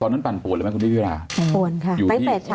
ตอนนั้นปั่นปวดหรือไม่คุณพี่พิวรา